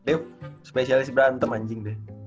dev spesialis berantem anjing deh